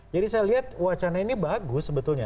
jadi saya lihat wacana ini bagus sebetulnya